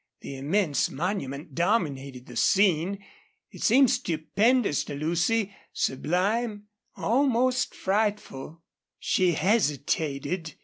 The immense monument dominated the scene. It seemed stupendous to Lucy, sublime, almost frightful. She hesitated.